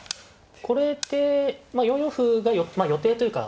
これで４四歩が予定というか。